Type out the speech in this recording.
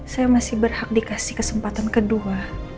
saya masih berhak dikasih kesempatan kedua